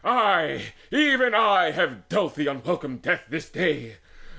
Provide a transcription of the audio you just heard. I, even I have dealt thee unwelcome death This day!